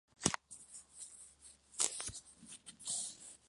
Estos entraban armados pero con la pistola en el cinto cuando llevaban la comida.